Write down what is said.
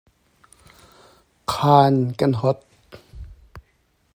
Khan kan hawt.